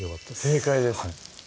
正解です